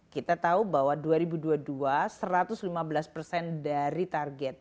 kita tahu bahwa dua ribu dua puluh dua satu ratus lima belas persen dari target